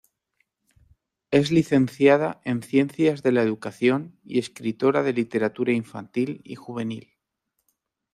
Es licenciada en Ciencias de la Educación y escritora de literatura infantil y juvenil.